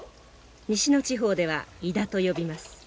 西の地方ではイダと呼びます。